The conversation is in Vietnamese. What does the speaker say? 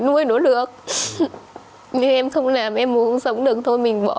nuôi nó được nếu em không làm em muốn sống được thôi mình bỏ